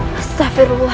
jadi sekian dari video saya